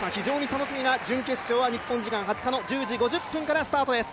楽しみな準決勝は日本時間２０日の１０時５０分からスタートです。